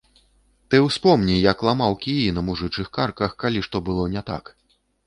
Ты ўспомні, як ламаў кіі на мужычых карках, калі што было не так.